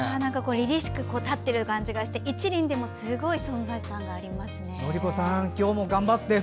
りりしく立ってる感じで１輪でもすごい存在感がありますね。